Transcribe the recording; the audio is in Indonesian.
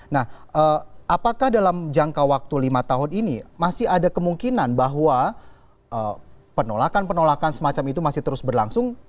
nah apakah dalam jangka waktu lima tahun ini masih ada kemungkinan bahwa penolakan penolakan semacam itu masih terus berlangsung